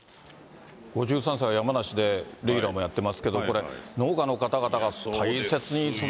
５３世、山梨でレギュラーもやってますけれども、これ、農家の方々が大切